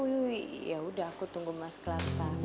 yaudah aku tunggu mas gelar gelar